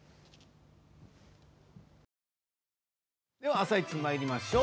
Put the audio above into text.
「あさイチ」まいりましょう。